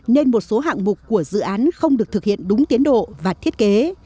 nên một số hạng mục của dự án không được thực hiện đúng tiến độ và thiết kế